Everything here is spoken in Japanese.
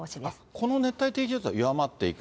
この熱帯低気圧は弱まっていく。